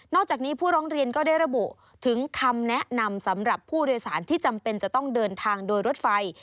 อกจากนี้ผู้ร้องเรียนก็ได้ระบุถึงคำแนะนำสำหรับผู้โดยสารที่จำเป็นจะต้องเดินทางโดยรถไฟ